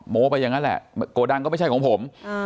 โม้ไปอย่างนั้นแหละโกดังก็ไม่ใช่ของผม